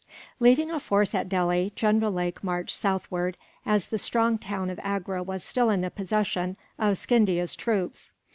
Leaving a force at Delhi, General Lake marched southward, as the strong town of Agra was still in the possession of Scindia's troops.